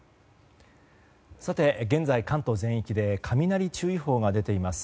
現在、関東全域で雷注意報が出ています。